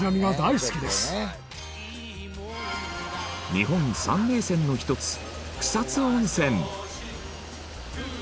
日本三名泉の一つ草津温泉。